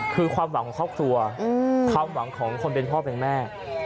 คือความหวังของครอบครัวความหวังของคนเป็นพ่อเป็นแม่